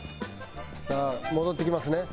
さあ戻ってきますね。